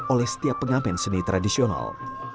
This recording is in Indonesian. oleh setiap pengamen seni tradisional